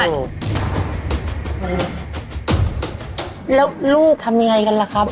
แล้วลูกทำยังไงกันล่ะครับ